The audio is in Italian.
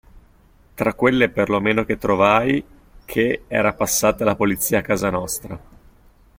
Tra quelle per lo meno che trovai, ché era passata la Polizia a casa nostra.